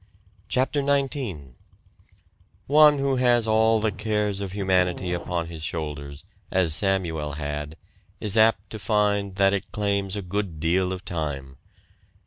CHAPTER XIX One who has all the cares of humanity upon his shoulders, as Samuel had, is apt to find that it claims a good deal of time.